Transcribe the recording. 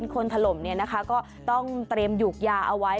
คนถล่มก็ต้องเตรียมหยุกยาเอาไว้